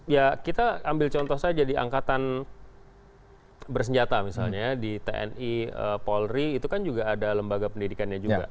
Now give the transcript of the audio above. ya kita ambil contoh saja di angkatan bersenjata misalnya di tni polri itu kan juga ada lembaga pendidikannya juga